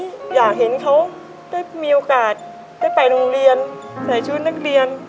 ก็อยากเห็นเขาได้มีโอกาสได้ไปโรงเรียนใส่ชุดนักเรียน